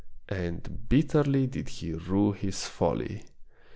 And bitterly did he rue his folly.